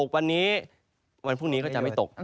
วันพรุ่งนี้ก็จะไม่ตก